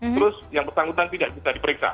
terus yang bersangkutan tidak bisa diperiksa